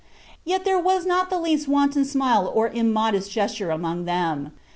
Yet there was not the least wanton smile or immodest gesture among them.